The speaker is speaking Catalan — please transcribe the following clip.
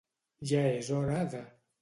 Ja és hora de.